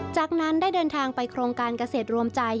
จากนั้นได้เดินทางไปโครงการเกษตรรวมใจ